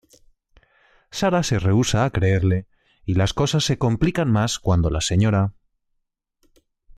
Sarah se rehúsa a creerle y las cosas se complican más cuando la Sra.